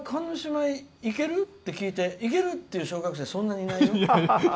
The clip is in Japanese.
舞いける？って聞いていけるっていう小学生そういないよ。